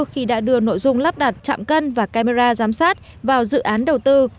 khi đã đưa nội dung lắp đặt chạm cân và camera giám sát vào dự án đầu tư